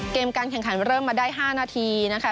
เกมการแข่งขันเริ่มมาได้๕นาทีนะคะ